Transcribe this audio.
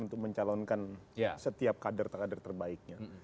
untuk mencalonkan setiap kader kader terbaiknya